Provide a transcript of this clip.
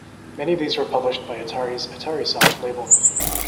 Many of these were published by Atari's Atarisoft label.